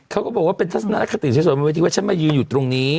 เขาก็บอกว่าเป็นทัศนลักษณะคติสุดไม่ว่าฉันมายืนอยู่ตรงนี้